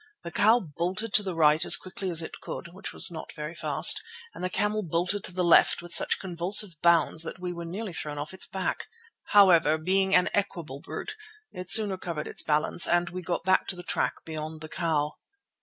The cow bolted to the right as quickly as it could, which was not very fast, and the camel bolted to the left with such convulsive bounds that we were nearly thrown off its back. However, being an equable brute, it soon recovered its balance, and we got back to the track beyond the cow.